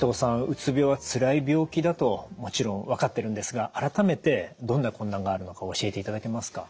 うつ病はつらい病気だともちろん分かってるんですが改めてどんな困難があるのか教えていただけますか？